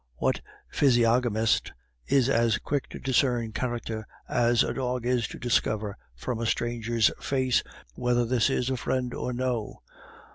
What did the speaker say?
What physiognomist is as quick to discern character as a dog is to discover from a stranger's face whether this is a friend or no?